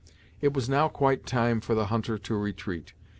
It was now quite time for the hunter to retreat.